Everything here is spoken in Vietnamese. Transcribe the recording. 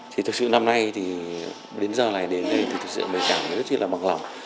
thì thực sự năm nay thì đến giờ này đến đây thì thực sự mình cảm thấy rất là bằng lòng